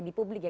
di publik ya